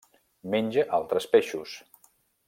Menja altres peixos.